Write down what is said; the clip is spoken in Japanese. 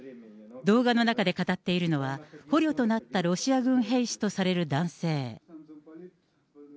動画の中で語っているのは、捕虜となったロシア軍兵士とされる男性。